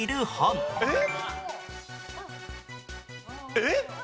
えっ！